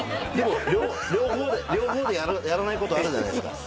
両方でやらないことあるじゃないですか。